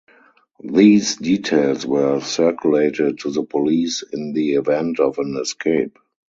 These details were circulated to the police in the event of an escape.